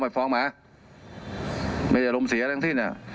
ไปฟ้องมาไม่ได้ร่มเสียทั้งที่เนี่ย